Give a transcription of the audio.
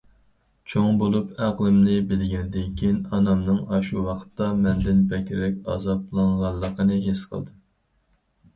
چوڭ بولۇپ ئەقلىمنى بىلگەندىن كېيىن، ئانامنىڭ ئاشۇ ۋاقىتتا مەندىن بەكرەك ئازابلانغانلىقىنى ھېس قىلدىم.